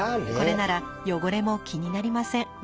これなら汚れも気になりません。